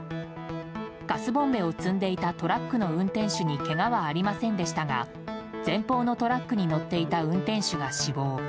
ガスボンベを積んでいたトラックの運転手にけがはありませんでしたが前方のトラックに乗っていた運転手が死亡。